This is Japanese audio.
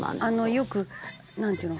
よくなんていうの？